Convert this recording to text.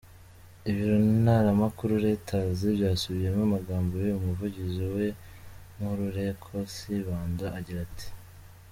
Ibiro ntaramakuru Reuters byasubiyemo amagambo y'uyu muvugizi we Nkululeko Sibanda agira ati:.